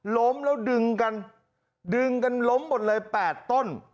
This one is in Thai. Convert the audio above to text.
ล้มแล้วดึงกันดึงกันล้มหมดเลย๘ต้น